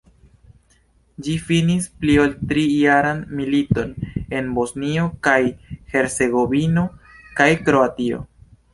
Ĝi finis pli-ol-tri-jaran militon en Bosnio kaj Hercegovino kaj Kroatio.